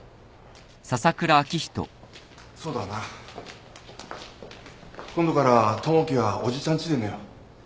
そうだな。今度から友樹はおじちゃんちで寝よう。